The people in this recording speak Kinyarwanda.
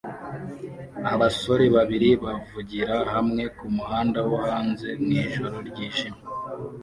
Abasore babiri bavugira hamwe kumuhanda wo hanze mwijoro ryijimye